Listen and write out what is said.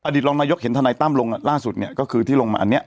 รองนายกเห็นทนายตั้มลงล่าสุดเนี่ยก็คือที่ลงมาอันนี้